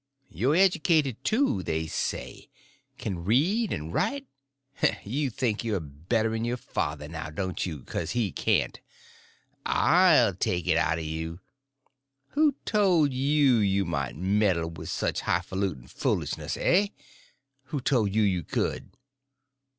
You're educated, too, they say—can read and write. You think you're better'n your father, now, don't you, because he can't? I'll take it out of you. Who told you you might meddle with such hifalut'n foolishness, hey?—who told you you could?"